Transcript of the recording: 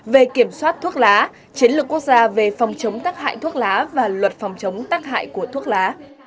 về kiểm soát thuốc lá chiến lược quốc gia về phòng chống tắc hại thuốc lá và luật phòng chống tắc hại của thuốc lá